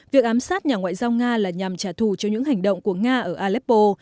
việc ám sát nhà ngoại giao nga là nhằm trả thù cho những hành động của nga ở aleppo